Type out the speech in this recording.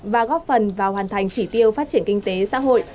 và góp phần vào hoàn thành chỉ tiêu phát triển kinh tế xã hội